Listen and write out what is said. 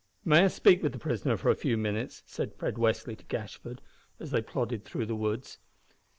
"May I speak with the prisoner for a few minutes?" said Fred Westly to Gashford, as they plodded through the woods.